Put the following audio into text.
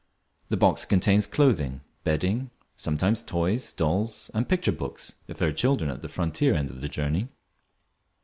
The box contains clothing, bedding, and sometimes toys, dolls and picture books if there are children at the frontier end of the journey.